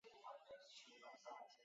县名来自阿波马托克斯河。